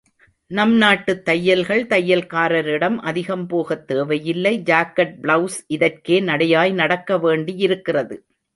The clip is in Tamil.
நம் நாட்டுத் தையல்கள் தையல்காரரிடம் அதிகம் போகத் தேவையில்லை ஜாக்கெட் பிளௌஸ் இதற்கே நடையாய் நடக்கவேண்டியிருக்கிறது.